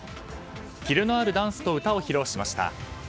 切れのあるダンスと歌を披露しました。